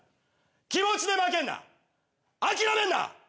気持ちで負けんな諦めんな！